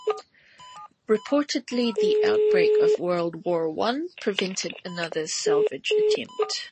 Reportedly the outbreak of World War One prevented another salvage attempt.